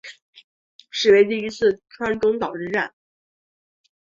是为第一次川中岛之战。